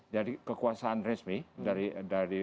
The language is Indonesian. dari kekuasaan resmi dari